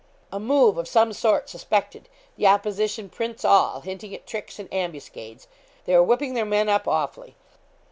'A move of some sort suspected the opposition prints all hinting at tricks and ambuscades. They are whipping their men up awfully.